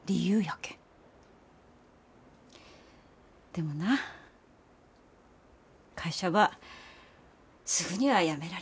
でもな会社ばすぐにはやめられんけん。